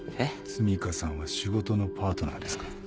澄香さんは仕事のパートナーですか？